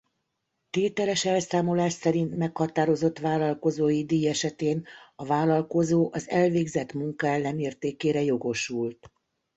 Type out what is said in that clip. Tételes elszámolás szerint meghatározott vállalkozói díj esetén a vállalkozó az elvégzett munka ellenértékére jogosult.